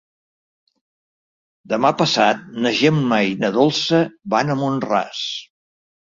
Demà passat na Gemma i na Dolça van a Mont-ras.